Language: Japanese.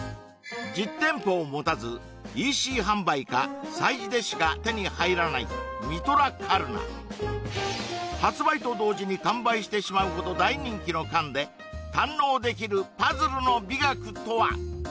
実店舗を持たずＥＣ販売か催事でしか手に入らないミトラカルナ発売と同時に完売してしまうほど大人気の缶で堪能できるパズルの美学とは？